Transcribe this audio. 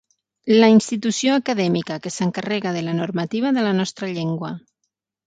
La institució acadèmica que s'encarrega de la normativa de la nostra llengua.